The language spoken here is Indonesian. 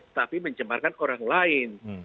tetapi mencemahkan orang lain